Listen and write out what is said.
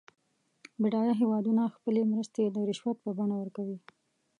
بډایه هېوادونه خپلې مرستې د رشوت په بڼه ورکوي.